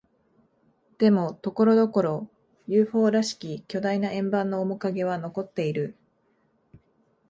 でも、ところどころ、ＵＦＯ らしき巨大な円盤の面影は残っている。